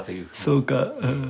そうかうん。